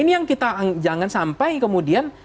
ini yang kita jangan sampai kemudian